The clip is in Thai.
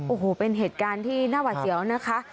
โอ้โหเป็นเหตุการณ์ที่น่าหวัดเสียวนะคะ